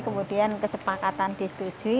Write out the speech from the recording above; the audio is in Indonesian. kemudian kesepakatan disetujui